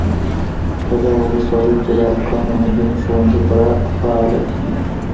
په دغه ولسوالۍ کي د هلکانو او نجونو ښوونځي پوره فعال دي.